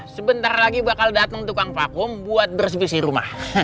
sebentar lagi bakal dateng tukang vakum buat beresipisi rumah